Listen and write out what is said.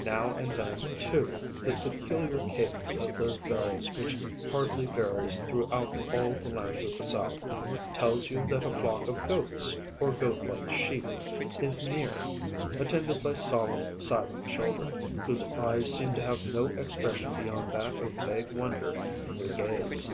Now and then too the peculiar cadence of those bells which hardly varies throughout all the lands of the south, tells you that a flock of goats, or goat like sheep, is near, attended by solemn, silent children, whose eyes seem to have no expression beyond that of vague wonder in their gaze.